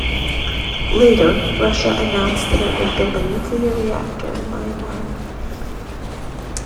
Later, Russia announced that it would build a nuclear reactor in Myanmar.